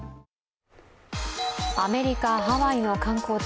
アメリカ・ハワイの観光地